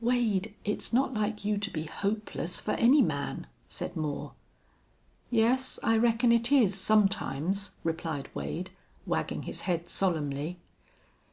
"Wade, it's not like you to be hopeless for any man," said Moore. "Yes, I reckon it is, sometimes," replied Wade, wagging his head solemnly.